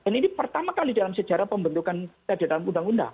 dan ini pertama kali dalam sejarah pembentukan terhadap undang undang